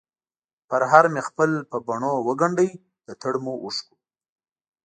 پرهر مې خپل په بڼووګنډی ، دتړمو اوښکو،